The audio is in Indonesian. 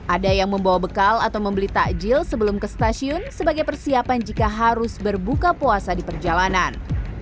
ada yang membawa bekal atau membeli takjil sebelum ke stasiun sebagai persiapan jika harus berbuka puasa di perjalanan